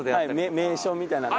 名所みたいなの。